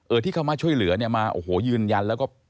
ที่เขามาช่วยเหลือเนี่ยมาโอ้โหยืนยันแล้วก็